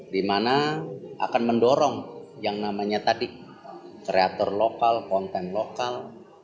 di mana akan mendorong yang namanya tadi kreator lokal konten lokal